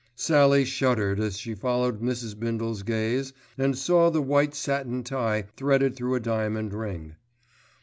Sallie shuddered as she followed Mrs. Bindle's gaze and saw the white satin tie threaded through a diamond ring.